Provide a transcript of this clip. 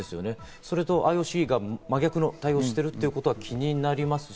それとＩＯＣが真逆な対応をしていることが気になります。